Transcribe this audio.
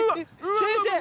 先生！